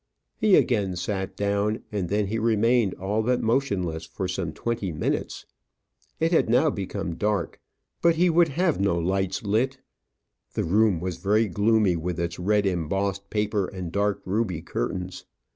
He again sat down, and then he remained all but motionless for some twenty minutes. It had now become dark, but he would have no lights lit. The room was very gloomy with its red embossed paper and dark ruby curtains.